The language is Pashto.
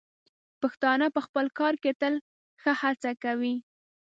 پښتانه په خپل کار کې تل ښه هڅه کوي.